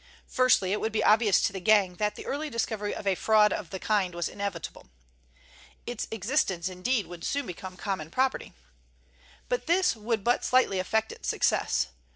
Firstly, it would be obvious to the gang that the early discovery of a fraud of the kind was inevitable. Its existence, indeed, would soon become common property. But this would but slightly affect its success.